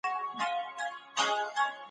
د رب په نوم زده کړه وکړئ.